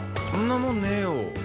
そんなもんねえよ。